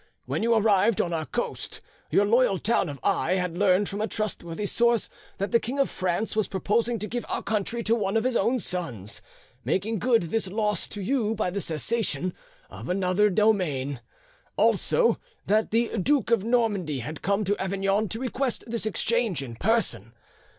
When you arrived on our coast, your loyal town of Aix had learned from a trustworthy source that the King of France was proposing to give our country to one of his own sons, making good this loss to you by the cession of another domain, also that the Duke of Normandy had come to Avignon to request this exchange in person.